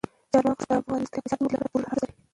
چار مغز د افغانستان د اقتصادي ودې لپاره پوره ارزښت لري.